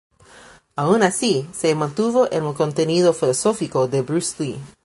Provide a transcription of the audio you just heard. Aun así, se mantuvo el contenido filosófico de Bruce Lee.